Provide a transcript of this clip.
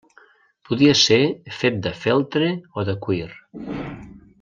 Podia ser fet de feltre o de cuir.